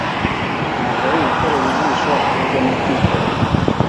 ntabwo ari ugukorera ijisho ahubwo ni ukwikorera